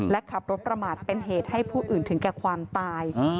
และขับรถประมาทเป็นเหตุให้ผู้อื่นถึงแก่ความตาย